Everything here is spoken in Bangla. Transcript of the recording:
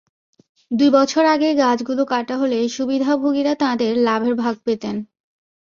দুই বছর আগেই গাছগুলো কাটা হলে সুবিধাভোগীরা তাঁদের লাভের ভাগ পেতেন।